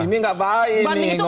ini nggak baik